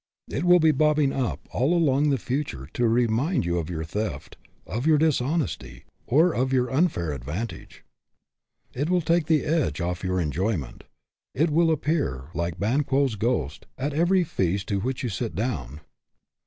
It will be bobbing up all along the future to 232 SUCCESS WITH A FLAW remind you of your theft, of your dishonesty, or of your unfair advantage. It will take the edge off your enjoyment. It will appear, like Banquo's ghost, at every feast to which you sit down.